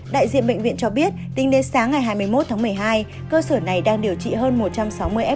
đại diện bệnh viện cho biết tính đến sáng ngày hai mươi một tháng một mươi hai cơ sở này đang điều trị hơn một trăm sáu mươi em